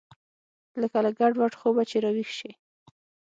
لکه له ګډوډ خوبه چې راويښ سې.